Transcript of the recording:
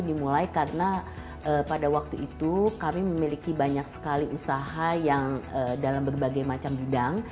dimulai karena pada waktu itu kami memiliki banyak sekali usaha yang dalam berbagai macam bidang